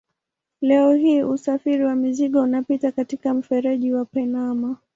Leo hii usafiri wa mizigo unapita katika mfereji wa Panama.